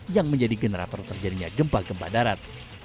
yang menjadi generator terjadinya gempa gempa darat